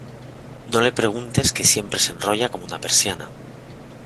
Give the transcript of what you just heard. No le preguntes que siempre se enrolla como una persiana